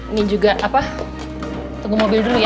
ingin juga apa tunggu mobil dulu ya